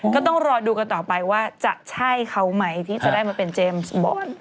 ก็ต้องรอดูกันต่อไปว่าจะใช่เขาไหมที่จะได้มาเป็นเจมส์บอล